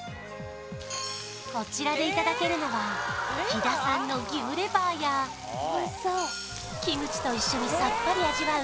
こちらでいただけるのは飛騨産の牛レバーやキムチと一緒にさっぱり味わう